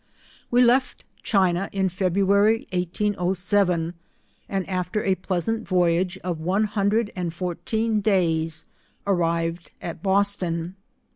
We left China in February, 1807, and after a pleasant voyage of one hundred and fourteen days, arrived at Boston.